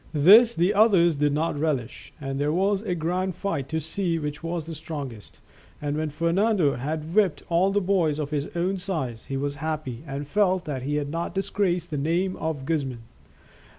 This the others did not relish, and there was a grand fight to see which was the strongest, and when Fernando had whipped all the boys of his own size, he was happy and felt that he had not disgraced the name of Guzman.